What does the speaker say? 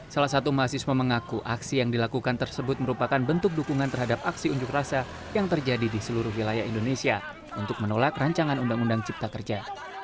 salah satu mahasiswa mengaku aksi yang dilakukan tersebut merupakan bentuk dukungan terhadap aksi unjuk rasa yang terjadi di seluruh wilayah indonesia untuk menolak rancangan undang undang cipta kerja